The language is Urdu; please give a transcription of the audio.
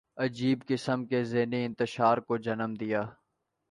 عجیب قسم کے ذہنی انتشار کو جنم دیا۔